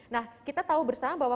nah kita tahu bersama bahwa